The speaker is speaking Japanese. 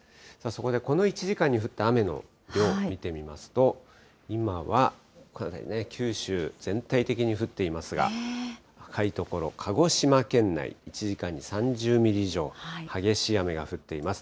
そこでこの１時間に降った雨の量を見てみますと、今は九州全体的に降っていますが、赤い所、鹿児島県内、１時間に３０ミリ以上、激しい雨が降っています。